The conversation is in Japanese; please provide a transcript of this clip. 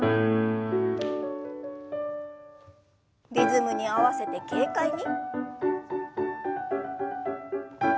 リズムに合わせて軽快に。